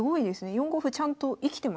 ４五歩ちゃんと生きてますね。